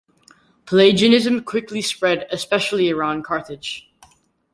Pelagianism quickly spread, especially around Carthage.